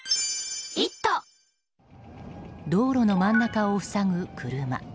道路の真ん中を塞ぐ車。